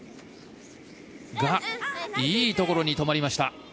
が、いいところに止まりました。